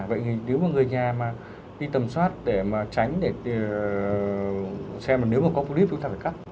vậy thì nếu mà người nhà đi tầm soát để mà tránh để xem là nếu mà có phú lít thì chúng ta phải cắt